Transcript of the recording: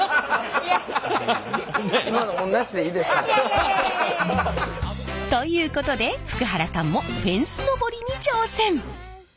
いやいやいやいや！ということで福原さんもフェンス登りに挑戦！